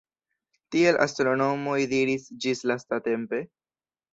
Tiel astronomoj diris ĝis lastatempe.